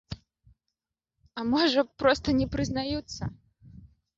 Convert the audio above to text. А можа, проста не прызнаюцца.